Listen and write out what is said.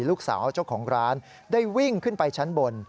ลูกสาวเจ้าของร้านได้วิ่งขึ้นไปชั้นบน